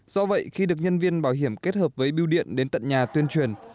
do vậy khi được nhân viên bảo hiểm kết hợp với biêu điện đến tận nhà tuyên truyền